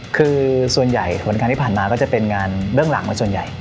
คือส่วนใหญ่ผลการที่ผ่านมาก็จะเป็นงานเบื้องหลังมาส่วนใหญ่